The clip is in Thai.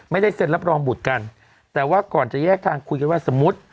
ไม่ได้เซ็นรับรองบุตรกันแต่ว่าก่อนจะแยกทางคุยกันว่าสมมุติ